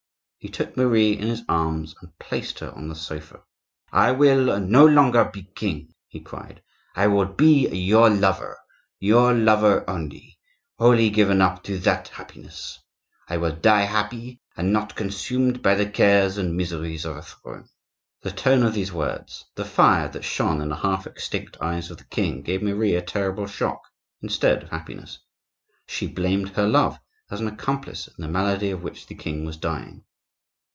He took Marie in his arms and placed her on the sofa. "I will no longer be a king," he cried. "I will be your lover, your lover only, wholly given up to that happiness. I will die happy, and not consumed by the cares and miseries of a throne." The tone of these words, the fire that shone in the half extinct eyes of the king, gave Marie a terrible shock instead of happiness; she blamed her love as an accomplice in the malady of which the king was dying.